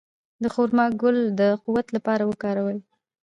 د خرما ګل د قوت لپاره وکاروئ